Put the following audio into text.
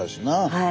はい。